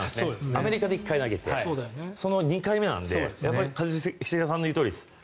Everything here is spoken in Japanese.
アメリカで１回投げて２回目なので一茂さんの言うとおりです。